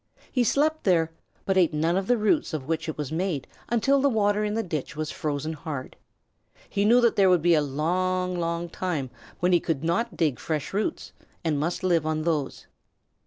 He slept there, but ate none of the roots of which it was made until the water in the ditch was frozen hard. He knew that there would be a long, long time when he could not dig fresh roots and must live on those.